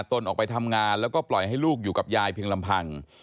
ออกไปทำงานแล้วก็ปล่อยให้ลูกอยู่กับยายเพียงลำพัง